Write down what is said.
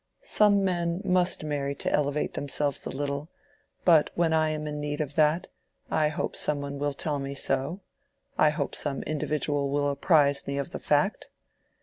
Some men must marry to elevate themselves a little, but when I am in need of that, I hope some one will tell me so—I hope some individual will apprise me of the fact.